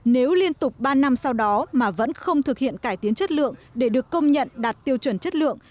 nếu liên tục ba năm sau đó mà vẫn không thực hiện cải tiến chất lượng để được công nhận đạt tiêu chuẩn chất lượng